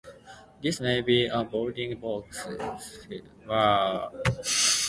This may be a bounding box, sphere, or convex hull.